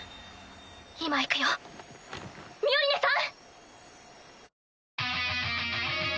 今行くよミオリネさん！